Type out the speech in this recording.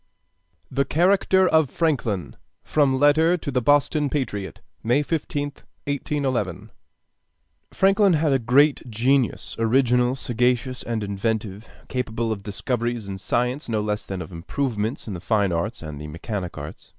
] THE CHARACTER OF FRANKLIN From Letter to the Boston Patriot, May 15th, 1811 Franklin had a great genius, original, sagacious, and inventive, capable of discoveries in science no less than of improvements in the fine arts and the mechanic arts.